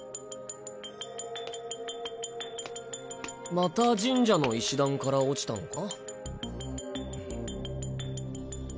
また神社の石段から落ちたのか？